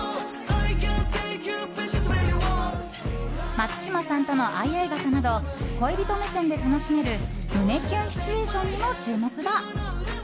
松島さんとの相合傘など恋人目線で楽しめる胸キュンシチュエーションにも注目だ。